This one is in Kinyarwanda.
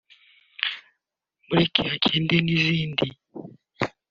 Mureke agende n’izindi